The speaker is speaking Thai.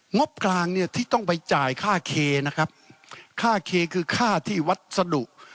งบกลางเนี่ยที่ต้องไปจ่ายค่าเคนะครับค่าเคคือค่าที่วัสดุ